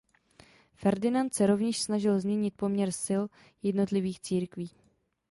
Ferdinand se rovněž snažil změnit poměr sil jednotlivých církví.